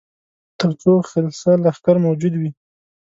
تر څو خلصه لښکر موجود وي.